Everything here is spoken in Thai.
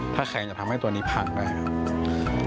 ถ้าแข็งจะทำให้ตัวนี้ผักได้ครับ